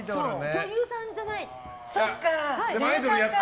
女優さんじゃない。